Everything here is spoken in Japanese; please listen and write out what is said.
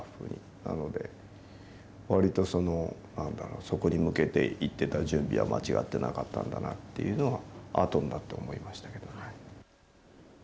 なので、わりとなんだろう、そこに向けていってた準備は間違ってなかったんだなっていうのは、あとになって思いましたけどね。